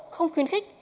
không khuyến khích